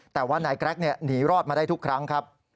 แต่ว่านายแกรกหนีรอดมาได้ทุกครั้งครับ